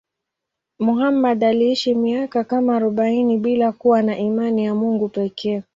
Muhammad aliishi miaka kama arobaini bila kuwa na imani ya Mungu pekee.